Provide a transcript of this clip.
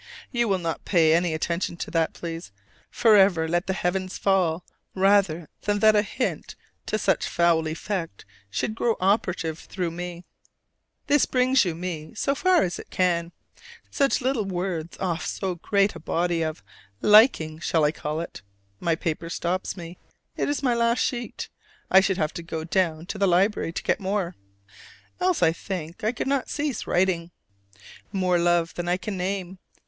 You will not pay any attention to that, please: forever let the heavens fall rather than that a hint to such foul effect should grow operative through me! This brings you me so far as it can: such little words off so great a body of "liking" shall I call it? My paper stops me: it is my last sheet: I should have to go down to the library to get more else I think I could not cease writing. More love than I can name.